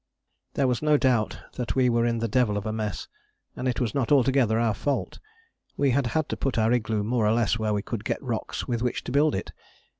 There was no doubt that we were in the devil of a mess, and it was not altogether our fault. We had had to put our igloo more or less where we could get rocks with which to build it.